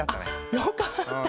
よかった。